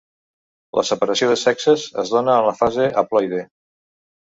La separació de sexes es dóna en la fase haploide.